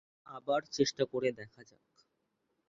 আবার চেষ্টা করে দেখা যাক?